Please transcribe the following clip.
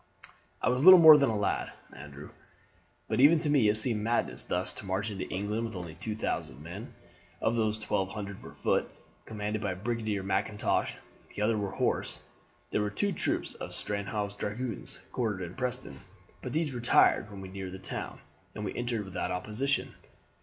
"I was little more than a lad, Andrew, but even to me it seemed madness thus to march into England with only two thousand men. Of these twelve hundred were foot, commanded by Brigadier Mackintosh; the others were horse. There were two troops of Stanhope's dragoons quartered in Preston, but these retired when we neared the town, and we entered without opposition.